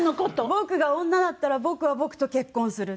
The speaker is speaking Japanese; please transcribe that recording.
「僕が女だったら僕は僕と結婚する」。